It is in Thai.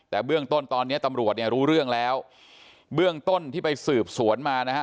แต่เบื้องต้นตอนเนี้ยตำรวจเนี่ยรู้เรื่องแล้วเบื้องต้นที่ไปสืบสวนมานะฮะ